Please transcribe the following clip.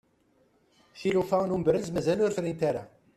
tilufa n umberrez mazal ur frint ara